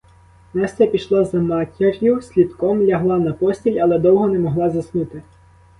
Настя пішла за матір'ю слідком, лягла на постіль, але довго не могла заснути.